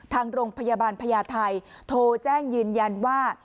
ทางโรงพยาบาลพญาไทยโทรแจ้งยืนยันว่า